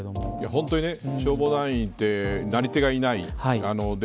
本当に消防団員ってなり手がいない。